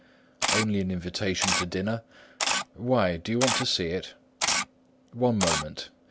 "Only an invitation to dinner. Why? Do you want to see it?" "One moment.